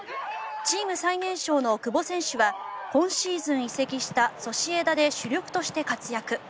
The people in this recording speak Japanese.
チーム最年少の久保選手は今シーズン移籍したソシエダで主力として活躍。